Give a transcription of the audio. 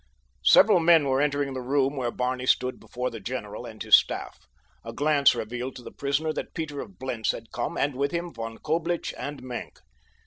Several men were entering the room where Barney stood before the general and his staff. A glance revealed to the prisoner that Peter of Blentz had come, and with him Von Coblich and Maenck.